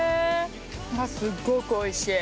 うわすっごくおいしい。